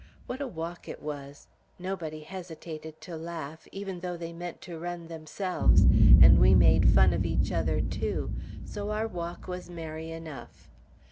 What a walk it was! Nobody hesitated to laugh, even though they meant to run themselves, and we made fun of each other, too, so our walk was merry enough.